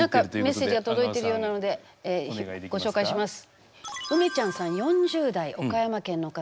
何かメッセージが届いてるようなのでご紹介します。